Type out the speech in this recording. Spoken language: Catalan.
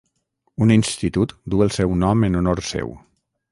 Un institut duu el seu nom en honor seu.